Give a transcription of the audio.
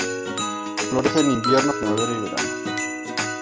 Florece en invierno, primavera y verano.